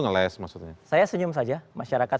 ngeles maksudnya saya senyum saja masyarakat